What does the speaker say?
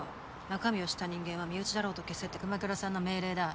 中身を知った人間は身内だろうと消せって熊倉さんの命令だ。